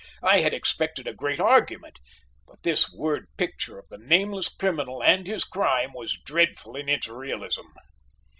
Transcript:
I had expected a great argument, but this word picture of the nameless criminal and his crime was dreadful in its realism.